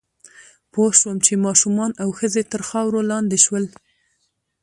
پوه شوم چې ماشومان او ښځې تر خاورو لاندې شول